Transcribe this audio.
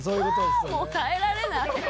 ああもう耐えられない！